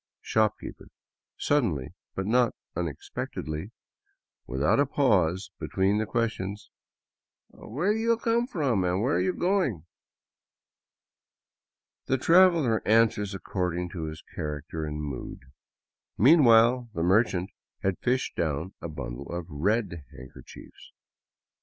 Shopkeeper, suddenly, but not unexpectedly, without a pause be tween the questions :" Where do you come from where are you go ing?" The traveler answers according to his character and mood. Mean while the merchant had fished down a bundle of red handkerchiefs.